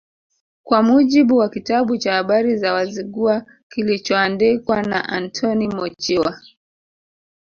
Kwa mujibu wa kitabu cha Habari za Wazigua kilichoandikwa na Antoni Mochiwa